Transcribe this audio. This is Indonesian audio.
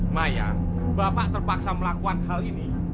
maya bapak terpaksa melakukan hal ini